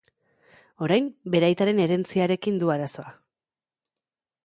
Orain, bere aitaren herentziarekin du arazoa.